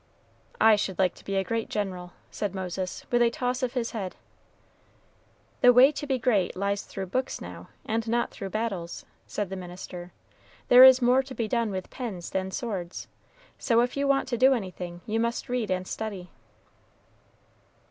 "I should like to be a great general," said Moses, with a toss of his head. "The way to be great lies through books, now, and not through battles," said the minister; "there is more done with pens than swords; so, if you want to do anything, you must read and study."